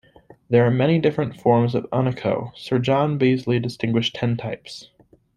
There are many different forms of oenochoe; Sir John Beazley distinguished ten types.